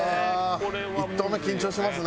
１投目緊張しますね。